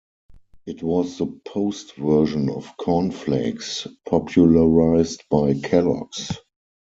It was the Post version of corn flakes, popularized by Kellogg's.